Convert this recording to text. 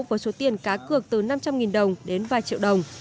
với số tiền cá cược từ năm trăm linh đồng đến vài triệu đồng